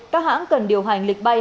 các hãng cần điều hành lịch bay